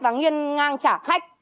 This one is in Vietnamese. và nguyên ngang trả khách